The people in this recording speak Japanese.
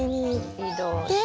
移動して。